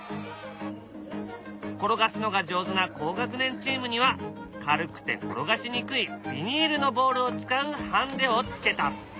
転がすのが上手な高学年チームには軽くて転がしにくいビニールのボールを使うハンデをつけた。